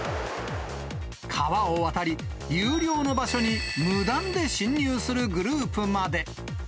川を渡り、有料の場所に無断で侵入するグループまで。